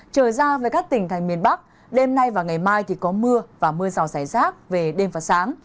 trở ra với các tỉnh thành miền bắc đêm nay và ngày mai thì có mưa và mưa rào rải rác về đêm và sáng